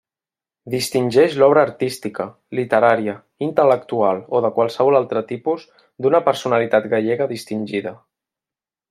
Distingeix l'obra artística, literària, intel·lectual o de qualsevol altre tipus d'una personalitat gallega distingida.